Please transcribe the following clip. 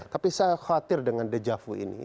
tapi saya khawatir dengan deja vu ini